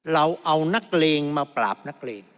เราเอานักเลงมาปราบนักเลง